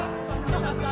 よかった。